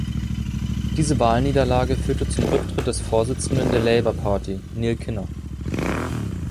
Diese Wahlniederlage führte zum Rücktritt des Vorsitzenden der Labour Party, Neil Kinnock.